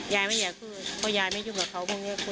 ยายไม่อยากพูดเพราะยายไม่ยุ่งกับเขาพวกนี้